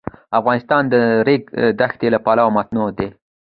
افغانستان د د ریګ دښتې له پلوه متنوع دی.